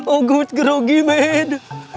agut grogi men